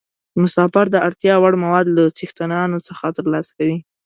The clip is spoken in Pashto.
مسافر د اړتیا وړ مواد له څښتنانو څخه ترلاسه کوي.